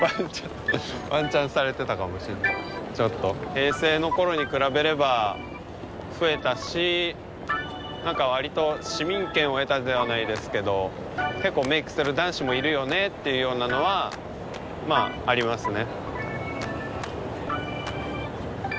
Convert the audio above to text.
平成のころに比べれば増えたし何かわりと市民権を得たではないですけど結構メイクする男子もいるよねっていうようなのはまあありますね。